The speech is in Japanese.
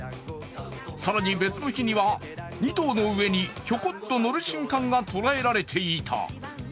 更に別の日には２頭の上にひょこっと乗る瞬間がとらえられていた。